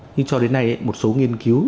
nhưng cho đến nay một số nghiên cứu